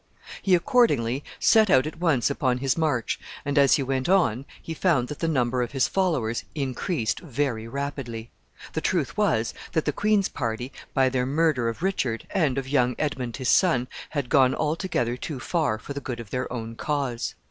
He accordingly set out at once upon his march, and, as he went on, he found that the number of his followers increased very rapidly. The truth was, that the queen's party, by their murder of Richard, and of young Edmund his son, had gone altogether too far for the good of their own cause.